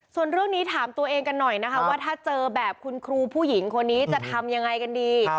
ส่วนเรื่องนี้ถามตัวเองกันหน่อยนะคะว่าถ้าเจอแบบคุณครูผู้หญิงคนนี้จะทำยังไงกันดี